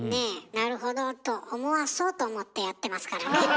なるほどと思わそうと思ってやってますからね。